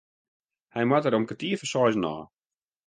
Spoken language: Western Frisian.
Hy moat der om kertier foar seizen ôf.